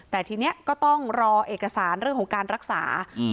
แต่ทีนี้ก็ต้องรอเอกสารเรื่องของการรักษา